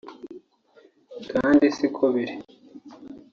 kandi si ko biri